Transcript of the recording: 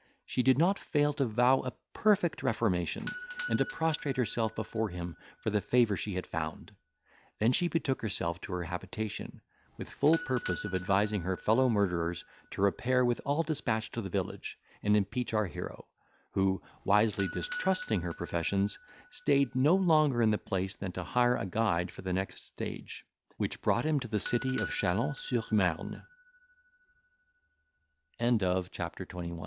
She did not fail to vow a perfect reformation, and to prostrate herself before him for the favour she had found; then she betook herself to her habitation, with full purpose of advising her fellow murderers to repair with all despatch to the village, and impeach our hero, who, wisely distrusting her professions, stayed no longer in the place than to hire a guide for the next stage, which brought him to the city of Chalons sur Marne. CHAPTER TWENTY TW